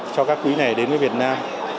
cho các quỹ này đến với việt nam